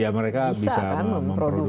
ya mereka bisa memproduksi